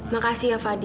makasih ya fadil